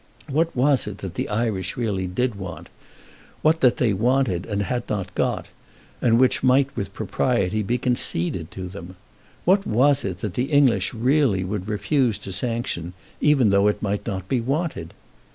What was it that the Irish really did want; what that they wanted, and had not got, and which might with propriety be conceded to them? What was it that the English really would refuse to sanction, even though it might not be wanted?